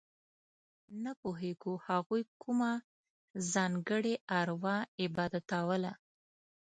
نه پوهېږو هغوی کومه ځانګړې اروا عبادتوله.